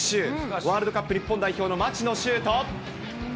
ワールドカップ日本代表の町野修斗。